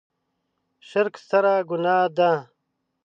شرک ستره ګناه ده.